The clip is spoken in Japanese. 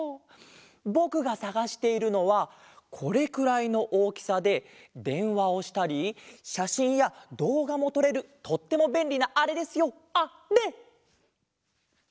ぼくがさがしているのはこれくらいのおおきさででんわをしたりしゃしんやどうがもとれるとってもべんりなあれですよあれ！